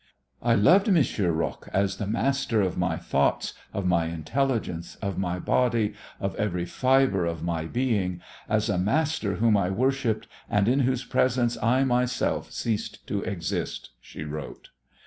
"I loved Monsieur Roques as the master of my thoughts, of my intelligence, of my body, of every fibre of my being, as a master whom I worshipped, and in whose presence I myself ceased to exist," she wrote.